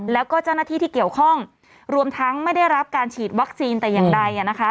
แล้วก็เจ้าหน้าที่ที่เกี่ยวข้องรวมทั้งไม่ได้รับการฉีดวัคซีนแต่อย่างใด